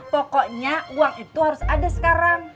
pokoknya uang itu harus ada sekarang